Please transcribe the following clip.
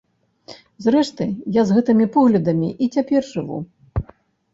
Зрэшты, я з гэтым поглядам і цяпер жыву.